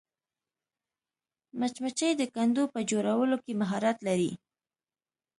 مچمچۍ د کندو په جوړولو کې مهارت لري